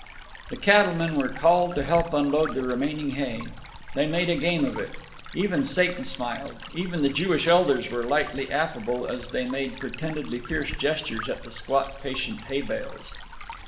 _" The cattlemen were called to help unload the remaining hay. They made a game of it. Even Satan smiled, even the Jewish elders were lightly affable as they made pretendedly fierce gestures at the squat patient hay bales.